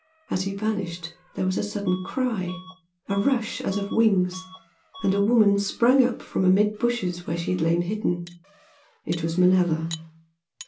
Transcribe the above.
As he vanished there was a sudden cry a rush as of wings and a woman sprang up from amid bushes where she had lain hidden, it was Manella.